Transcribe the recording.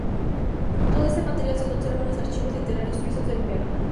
Todo este material se conserva en los Archivos Literarios Suizos, en Berna.